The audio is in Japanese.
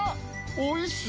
おいしい！